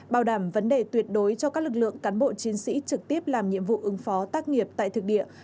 bảo đảm vấn đề tuyệt đối cho các lực lượng cán bộ chiến sĩ trực tiếp làm nhiệm vụ ứng phó tác nghiệp tại thực địa